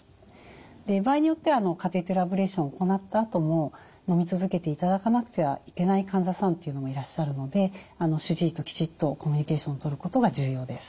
場合によってはカテーテルアブレーションを行ったあとものみ続けていただかなくてはいけない患者さんというのもいらっしゃるので主治医ときちっとコミュニケーションをとることが重要です。